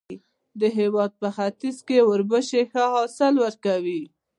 د هېواد په ختیځ کې اوربشې ښه حاصل ورکوي.